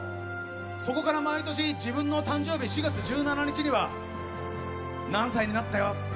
そこから毎年自分の誕生日４月１７日には何歳になったよ